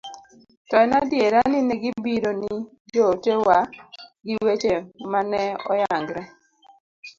to en adiera ni negibiro ni joote wa gi weche mane oyangre